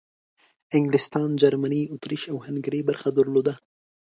انګلستان، جرمني، اطریش او هنګري برخه درلوده.